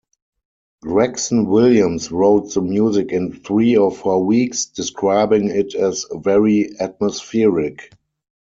Gregson-Williams wrote the music in three or four weeks, describing it as "very atmospheric".